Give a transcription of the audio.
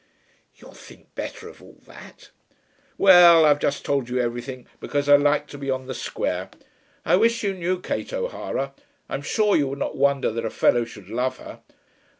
"You'll think better of all that." "Well! I've just told you everything because I like to be on the square. I wish you knew Kate O'Hara. I'm sure you would not wonder that a fellow should love her.